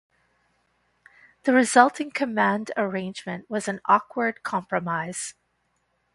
The resulting command arrangement was an awkward compromise.